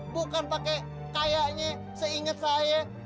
bukan pake kayaknya seinget saya